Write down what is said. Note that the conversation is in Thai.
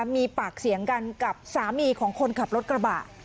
มีปากเสียงกันกับสามีของคนขับรถกระบะ